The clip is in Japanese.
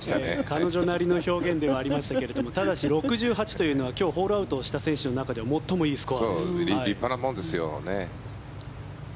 彼女なりの表現ではありましたがただし６８というのは今日、ホールアウトをした選手の中で立派なものですよね。